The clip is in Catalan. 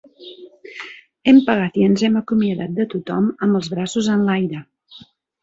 Hem pagat i ens hem acomiadat de tothom amb els braços enlaire.